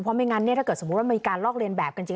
เพราะไม่งั้นถ้าเกิดสมมุติว่ามีการลอกเรียนแบบกันจริง